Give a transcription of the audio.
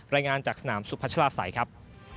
รายงานจากสนามสุพัชลาศัยครับ